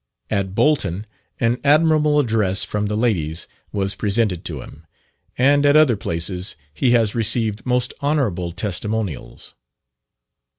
At Bolton an admirable address from the ladies was presented to him, and at other places he has received most honourable testimonials.